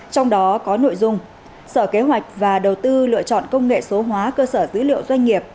trong đó có nội dung sở kế hoạch và đầu tư lựa chọn công nghệ số hóa cơ sở dữ liệu doanh nghiệp